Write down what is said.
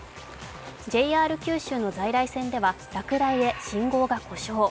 ＪＲ九州の在来線では落雷で信号が故障。